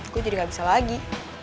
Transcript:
aku jadi gak bisa lagi